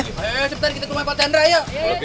ayo sebentar kita tunggu pak tendra ayo